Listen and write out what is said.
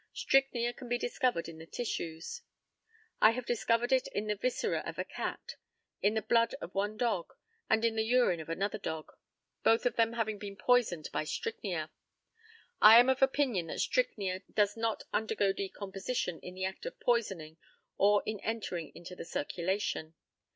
Strychnia can be discovered in the tissues. I have discovered it in the viscera of a cat, in the blood of one dog, and in the urine of another dog, both of them having been poisoned by strychnia. I am of opinion that strychnia does not undergo decomposition in the act of poisoning or in entering into the circulation.